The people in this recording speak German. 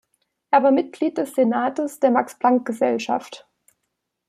Er war Mitglied des Senats der Max-Planck-Gesellschaft.